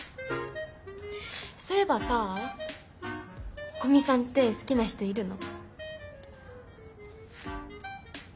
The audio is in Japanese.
そういえばさ古見さんって好きな人いるの？